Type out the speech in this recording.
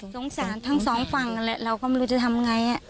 สงสารทั้งสองฝั่งเราก็ไม่รู้จะทำยังไง